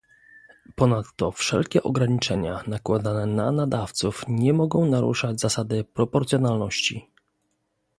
Ponadto wszelkie ograniczenia nakładane na nadawców nie mogą naruszać zasady proporcjonalności